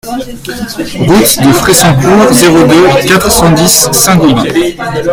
Route de Fressancourt, zéro deux, quatre cent dix Saint-Gobain